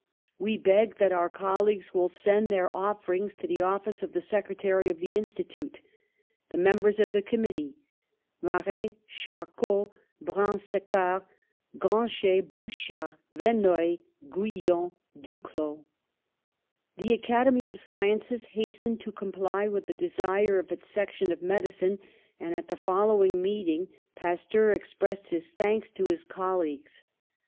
"We beg that our colleagues will send their offer ings to the office of the secretary of the Institute. "The Members of the Committee: "Marey, Charcot, Brown Sequard, Grancher, Bouchard, Verneuil, Guyon, Duclaux." The Academy of Sciences hastened to com ply with the desire of its section of medicine, and at the following meeting Pasteur expressed his thanks to his colleagues.